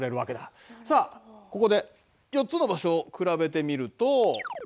さあここで４つの場所を比べてみると。